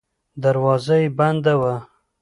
دروازه یې بنده وه.